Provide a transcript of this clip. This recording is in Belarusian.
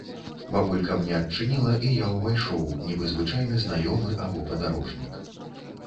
Бабулька мне адчыніла, і я ўвайшоў, нібы звычайны знаёмы або падарожнік.